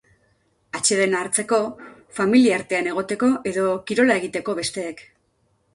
Atsedena hartzeko, familiartean egoteko edo kirola egiteko besteek.